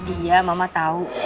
iya mama tau